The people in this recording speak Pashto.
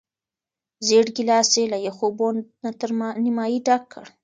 زېړ ګیلاس یې له یخو اوبو نه تر نیمايي ډک کړ.